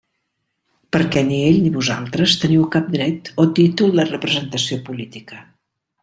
Perquè ni ell ni vosaltres teniu cap dret o títol de representació política.